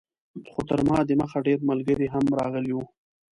خو تر ما دمخه ډېر ملګري هم راغلي وو.